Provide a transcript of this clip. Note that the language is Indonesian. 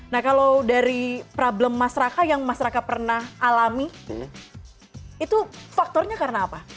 nah kalau dari problem masyarakat yang mas raka pernah alami itu faktornya karena apa